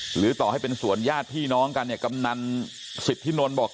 หรือต่อให้เป็นส่วนญาติพี่น้องกันเนี่ยกำนันสิทธินนท์บอก